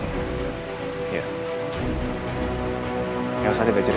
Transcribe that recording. yang menyebabkan saya merasa terlalu sedih